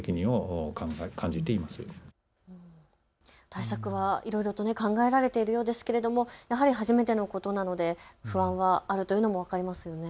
対策はいろいろと考えられているようですけれどもやはり初めてのことなので不安はあるというのも分かりますよね。